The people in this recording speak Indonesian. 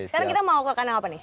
sekarang kita mau ke kandang apa nih